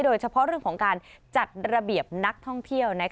โดยเฉพาะเรื่องของการจัดระเบียบนักท่องเที่ยว